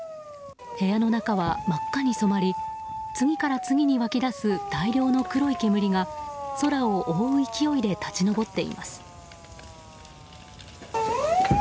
部屋の中は真っ赤に染まり次から次に湧き出す大量の黒い煙が空を覆う勢いで立ち上っています。